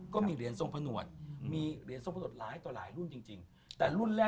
ก็มีเหรียญทรงพนวทธ์